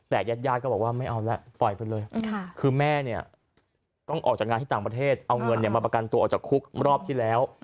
แต่ญาติญาติก็บอกว่าไม่เอาแล้วปล่อยไปเลยคือแม่เนี่ยต้องออกจากงานที่ต่างประเทศเอาเงินมาประกันตัวออกจากคุกรอบที่แล้ว